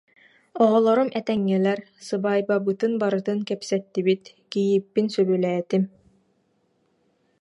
Оҕолорум этэҥҥэлэр, сыбаайбабытын барытын кэпсэттибит, кийииппин сөбүлээтим